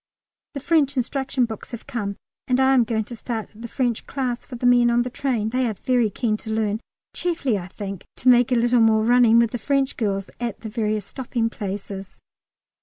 The French instruction books have come, and I am going to start the French class for the men on the train; they are very keen to learn, chiefly, I think, to make a little more running with the French girls at the various stopping places.